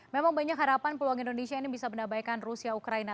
memang banyak harapan peluang indonesia ini bisa menabaikan rusia ukraina